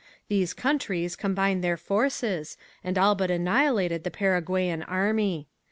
These countries combined their forces and all but annihilated the Paraguayan army.